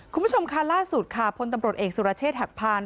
คุณผู้ชมค่ะล่าสุดค่ะพลตำรวจเอกสุรเชษฐหักพาน